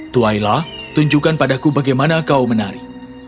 twaila tunjukkan padaku bagaimana kau menari